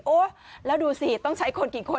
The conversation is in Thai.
แล้วดูสิต้องใช้คนกี่คน